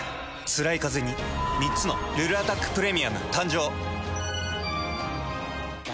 つらいカゼに３つの「ルルアタックプレミアム」誕生。